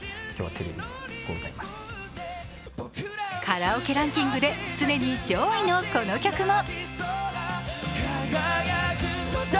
カラオケランキングで常に上位のこの曲も。